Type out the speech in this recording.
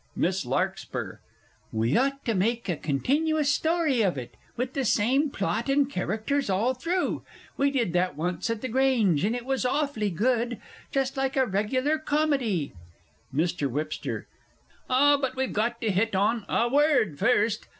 MISS LARKSPUR. We ought to make a continuous story of it, with the same plot and characters all through. We did that once at the Grange, and it was awfully good just like a regular Comedy! MR. WHIPSTER. Ah, but we've got to hit on a Word first.